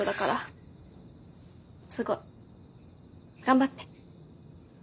すごい。頑張って。